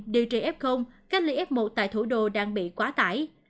điều trị f cách ly f một tại thủ đô đang bị quá tải